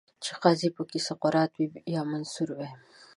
چې قاضي پکې سقراط وای، یا منصور وای